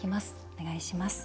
お願いします。